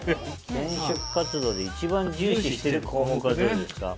「転職活動で１番重視している項目はどれですか？」。